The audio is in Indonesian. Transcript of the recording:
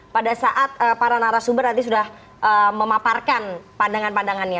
pada saat para narasumber nanti sudah memaparkan pandangan pandangannya